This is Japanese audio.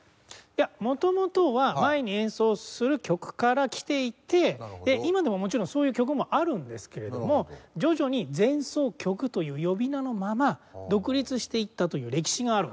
いや元々は前に演奏する曲からきていて今でももちろんそういう曲もあるんですけれども徐々に「前奏曲」という呼び名のまま独立していったという歴史があるんですよ。